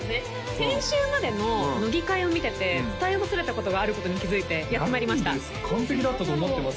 先週までの乃木回を見てて伝え忘れたことがあることに気づいてやって参りました何です？